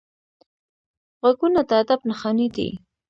غوږونه د ادب نښانې دي